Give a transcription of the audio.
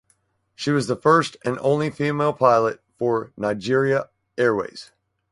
She was the first and only female pilot for Nigeria Airways.